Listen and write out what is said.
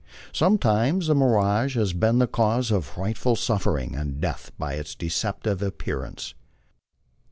Sometimes the mi rage has been the cause of frightful suffering and death by its deceptive ap pearance.